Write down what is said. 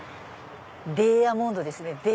デヤモンドですね！